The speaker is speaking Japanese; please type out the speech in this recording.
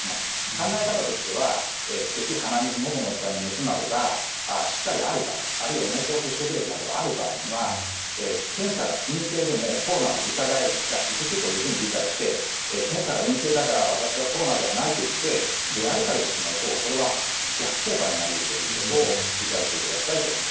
考え方としては、せき、鼻水、のどの痛み、熱などがしっかりある場合、あるいは濃厚接触歴がある場合には、検査が陰性でもコロナの疑いが続くというふうに理解して、検査が陰性だから、私はコロナではないといって出歩かれてしまうと、これは逆効果になりうるということを理解していただきたいと思い